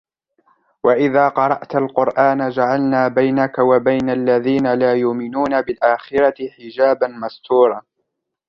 وَإِذَا قَرَأْتَ الْقُرْآنَ جَعَلْنَا بَيْنَكَ وَبَيْنَ الَّذِينَ لَا يُؤْمِنُونَ بِالْآخِرَةِ حِجَابًا مَسْتُورًا